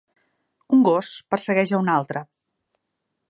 un gos persegueix a un altre.